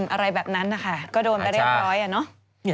อะไรแบบนั้นนะคะก็โดนไปเรียบร้อยอ่ะเนาะ